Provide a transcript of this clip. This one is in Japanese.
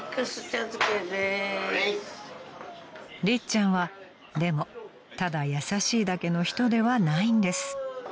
［りっちゃんはでもただ優しいだけの人ではないんです］